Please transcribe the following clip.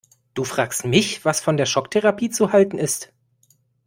Du fragst mich, was von der Schocktherapie zu halten ist?